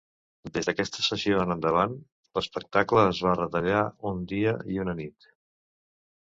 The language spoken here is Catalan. Des d"aquesta sessió en endavant, l"espectacle es va retallar un dia i una nit.